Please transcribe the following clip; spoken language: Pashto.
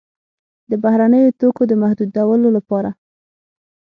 د بهرنیو توکو د محدودولو لپاره.